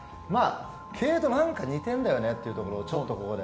経営と何か似てるんだよねというところをちょっとここで。